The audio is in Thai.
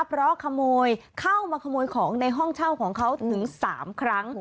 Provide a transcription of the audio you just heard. เพราะขโมยเข้ามาขโมยของในห้องเช่าของเขาถึง๓ครั้ง